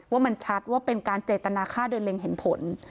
ว่ามันชัดว่าเป็นการเจตนาค่าโดยเล็งเห็นผล